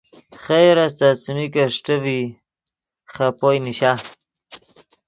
خیر استت څیمی کہ اݰٹے فی خپ اوئے نیشا